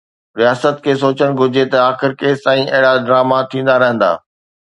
رياست کي سوچڻ گهرجي ته آخر ڪيستائين اهڙا ڊراما ٿيندا رهندا